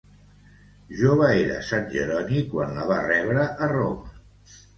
Jove era Sant Jeroni quan la va rebre a Roma.